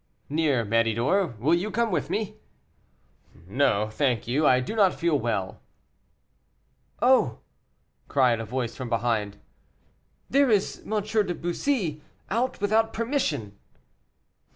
"Near Méridor. Will you come with me?" "No, thank you, I do not feel well." "Oh!" cried a voice from behind, "there is M. de Bussy out without permission."